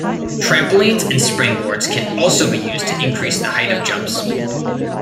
Trampolines and springboards can also be used to increase the height of jumps.